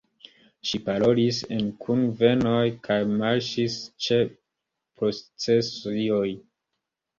Ŝi parolis en kunvenoj kaj marŝis ĉe procesioj.